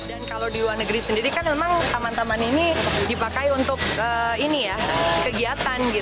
dan kalau di luar negeri sendiri kan memang taman taman ini dipakai untuk kegiatan